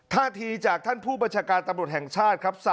ท่าทีจากท่านผู้บัญชาการตำรวจแห่งชาติครับ